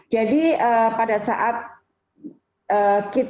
jadi pada saat